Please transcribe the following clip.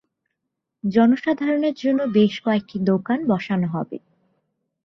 জনসাধারণের জন্য বেশ কয়েকটি দোকান বসানো হবে।